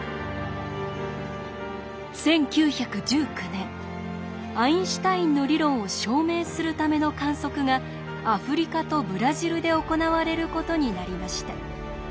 １９１９年アインシュタインの理論を証明するための観測がアフリカとブラジルで行われることになりました。